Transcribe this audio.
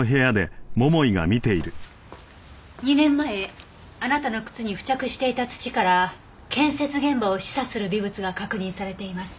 ２年前あなたの靴に付着していた土から建設現場を示唆する微物が確認されています。